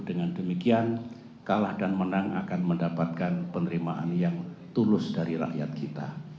dengan demikian kalah dan menang akan mendapatkan penerimaan yang tulus dari rakyat kita